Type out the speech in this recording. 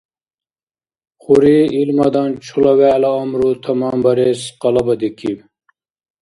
Хури илмадан чула вегӀла амру таманбарес къалабадикиб.